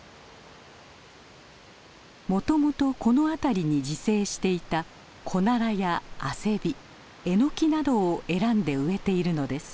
もともとこの辺りに自生していたコナラやアセビエノキなどを選んで植えているのです。